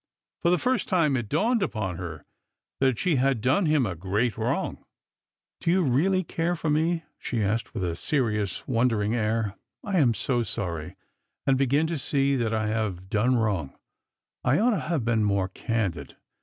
For the first time it dawned upon her that she had done him a great wrong. " Do you really care for me ?" she asked with a serious won dering air. " I am so sorry, and begin to see that I have done wrong ; I ought to have been more candid.